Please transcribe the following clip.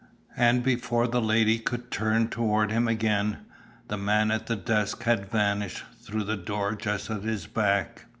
And before the lady could turn toward him again, the man at the desk had vanished through the door just at his back.